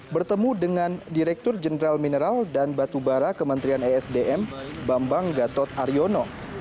bertemu dengan direktur jenderal mineral dan batubara kementerian esdm bambang gatot aryono